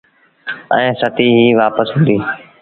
ائيٚݩ ستيٚ ئيٚ وآپس وهُڙي۔